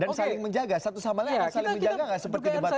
dan saling menjaga satu sama lain saling menjaga gak seperti debat pertama